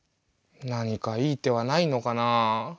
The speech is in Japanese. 何かいい手はないのかな？